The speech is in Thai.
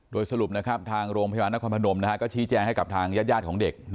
โดยสรุปนะครับทางโรงพยาบาลนครพนมก็ชี้แจงให้กับทางญาติของเด็ก